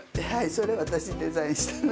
それ私デザインしたのん。